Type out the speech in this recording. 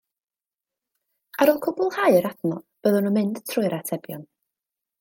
Ar ôl cwblhau'r adnodd, byddwn yn mynd trwy'r atebion